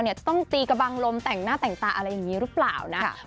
จะต้องตีกระบังลมแต่งหน้าแต่งตาอะไรอย่างนี้หรือเปล่านะ